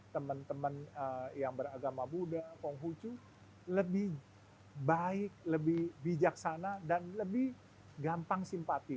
teman teman yang beragama buddha konghucu lebih baik lebih bijaksana dan lebih gampang simpati